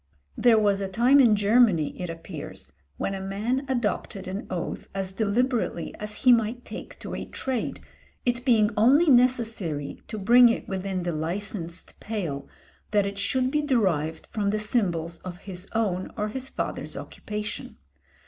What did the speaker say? There was a time in Germany it appears when a man adopted an oath as deliberately as he might take to a trade, it being only necessary, to bring it within the licensed pale, that it should be derived from the symbols of his own or his father's occupation.